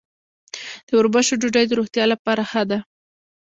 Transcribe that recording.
د وربشو ډوډۍ د روغتیا لپاره ښه ده.